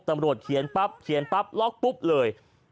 เขียนปั๊บเขียนปั๊บล็อกปุ๊บเลย